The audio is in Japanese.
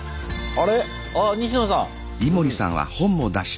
あ西野さん！